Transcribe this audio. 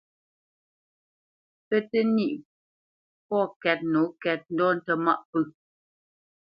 Pə́ tə nîʼ pɔ̂ kɛ́t nǒ kɛ́t ndɔ̂ tə mâʼ pə̂.